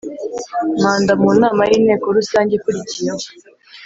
manda mu nama y Inteko rusange ikurikiyeho